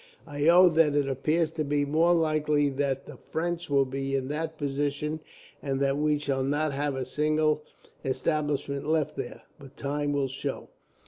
I own that it appears to me more likely that the French will be in that position, and that we shall not have a single establishment left there; but time will show.